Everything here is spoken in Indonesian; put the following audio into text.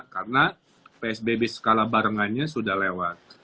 karena psbb skala barengannya sudah lewat